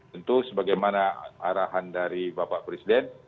tentu sebagaimana arahan dari bapak presiden